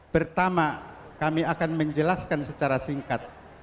pertama kami akan menjelaskan secara singkat